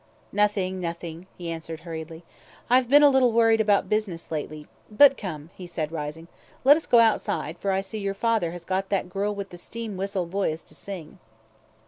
"Nothing nothing," he answered hurriedly. "I've been a little worried about business lately but come," he said, rising, "let us go outside, for I see your father has got that girl with the steam whistle voice to sing."